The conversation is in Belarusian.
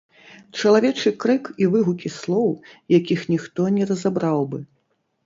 Чалавечы крык і выгукі слоў, якіх ніхто не разабраў бы.